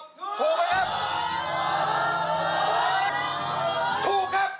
ถูกไหมครับ